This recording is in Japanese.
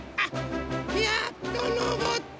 やっとのぼった。